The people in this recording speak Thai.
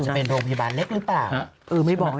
จะเป็นโรงพยาบาลเล็กหรือเปล่า